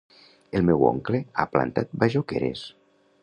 El meu oncle ha plantat bajoqueres.